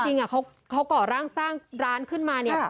จริงเขาก่อร่างสร้างร้านขึ้นมาเนี่ย